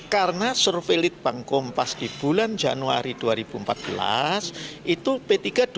karena survei lid bangkompas di bulan januari dua ribu empat belas itu p tiga dua empat